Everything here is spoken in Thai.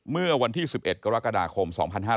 เมื่อวันที่๑๑กรกฎาคม๒๕๕๙